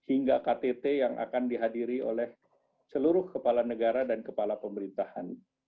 hingga ktt yang akan dihadiri oleh seluruh kepala negara dan kepala pemerintahan